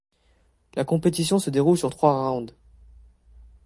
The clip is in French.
La compétition se déroule sur trois rounds.